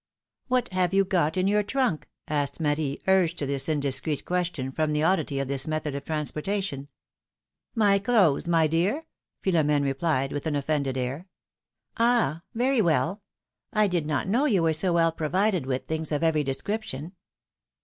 What have you got in your trunk?" asked Marie, urged to this indiscreet question from the oddity of this method of transportation. ^^My clothes, my dear!" Philom^ne replied, with an offended air. ^^Ah ! very well. I did not know you were so well provided with things of every description